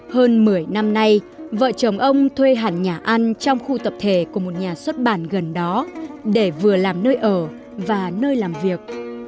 hơn một mươi năm nay vợ chồng ông thuê hẳn nhà ăn trong khu tập thể của một nhà xuất bản gần đó để vừa làm nơi ở và nơi làm việc